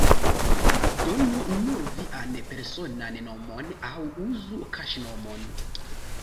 Donu nur vian personan nomon, aŭ uzu kaŝnomon.